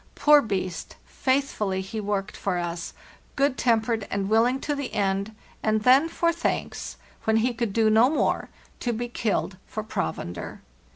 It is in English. Poor beast; faithfully he worked for us, good tempered and willing to the end, and then, for thanks, when he could do no more, to be killed for provender!